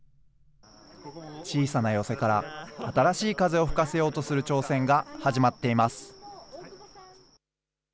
小さな寄席から新しい風を吹かせようとする挑戦が始まっています。